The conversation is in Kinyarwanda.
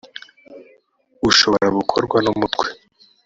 ushobora gukorwa n umutwe